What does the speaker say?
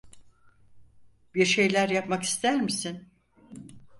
Bir şeyler yapmak ister misin?